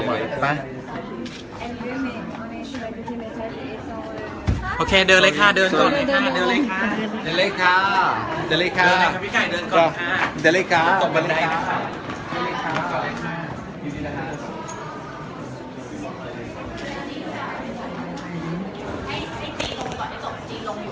ว่าเขาดูไม่ดี